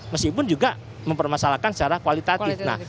meskipun juga mempermasalahkan secara kualitatif